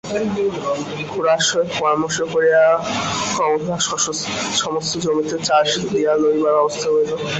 খুড়ার সহিত পরামর্শ করিয়া কমলা সমস্ত জমিতে চাষ দিয়া লইবার ব্যবস্থা করিল।